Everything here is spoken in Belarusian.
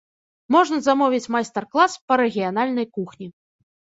Можна замовіць майстар-клас па рэгіянальнай кухні.